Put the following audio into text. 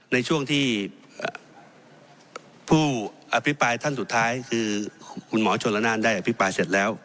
ในช่วงที่ผู้อภิปรายท่านสุดท้ายคือคุณหมอชนละนานได้อภิปรายเสร็จแล้ว